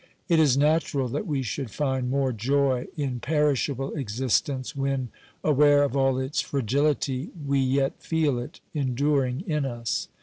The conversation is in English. It is natural that we should find more joy in perishable existence when, aware of all its fragility, we yet feel it, enduring in us.